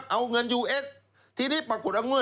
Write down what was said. เอาเงินยูเอสทีนี้ปรากฏ